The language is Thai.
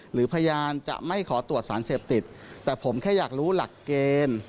หรือพยานจะไม่ขอตรวจสารเสพติดแต่ผมแค่อยากรู้หลักเกณฑ์